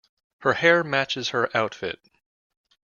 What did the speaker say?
Her hair matches her outfit.